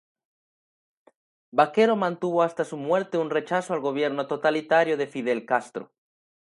Baquero mantuvo hasta su muerte un rechazo al gobierno totalitario de Fidel Castro.